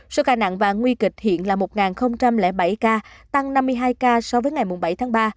số ca nặng và nguy kịch hiện là một bảy ca tăng năm mươi hai ca so với ngày bảy tháng ba